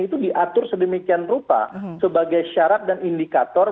itu diatur sedemikian rupa sebagai syarat dan indikator